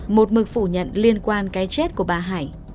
một mực phủ nhận liên quan cái chết của bà hải